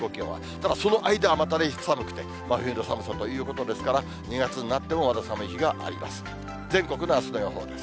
ただ、その間はまた寒くて、真冬の寒さということですから、２月になってもまだ寒い日があります。